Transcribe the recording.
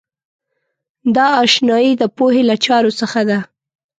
دا آشنایۍ د پوهې له چارو څخه ده.